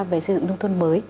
về xây dựng nông thôn mới